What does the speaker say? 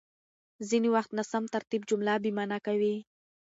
ځينې وخت ناسم ترتيب جمله بېمعنا کوي.